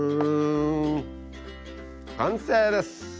完成です。